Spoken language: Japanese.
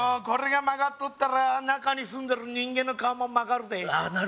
これが曲がっとったら中に住んでる人間の顔も曲がるでああ